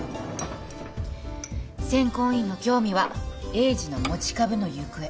選考委員の興味は栄治の持ち株の行方